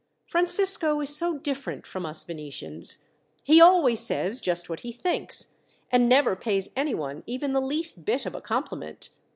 "Francisco is so different from us Venetians. He always says just what he thinks, and never pays anyone even the least bit of a compliment.